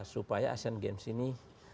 supaya asian games ini